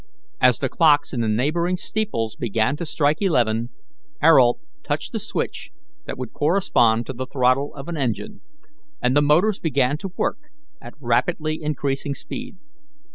As the clocks in the neighbouring steeples began to strike eleven, Ayrault touched the switch that would correspond to the throttle of an engine, and the motors began to work at rapidly increasing speed.